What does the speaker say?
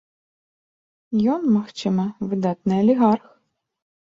Ён, магчыма, выдатны алігарх.